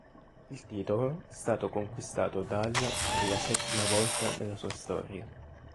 Il titolo stato conquistato dal per la settima volta nella sua storia.